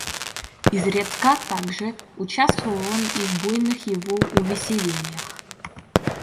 Изредка также, участвовал он и в буйных его увеселениях.